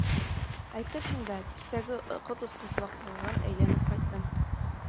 Әйтерһең дә, кисәге ҡот осҡос ваҡиғаға әйләнеп ҡайттым.